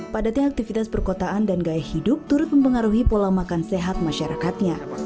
padatnya aktivitas perkotaan dan gaya hidup turut mempengaruhi pola makan sehat masyarakatnya